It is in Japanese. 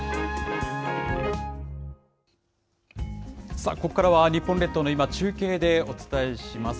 さあ、ここからは日本列島の今、中継でお伝えします。